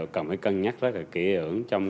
cần phải cân nhắc rất là kỹ ưỡng trong